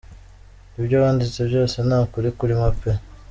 Ibyo wanditse byose nta kuri kurimo pe.